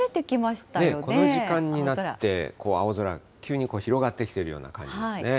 この時間になって、青空、急に広がってきているような感じですね。